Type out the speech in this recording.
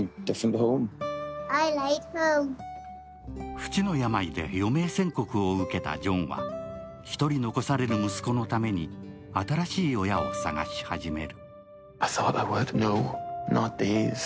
不治の病で余命宣告を受けたジョンは一人残される息子のために新しい親を探し始める。